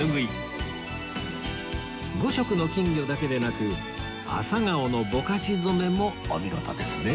５色の金魚だけでなくアサガオのぼかし染めもお見事ですね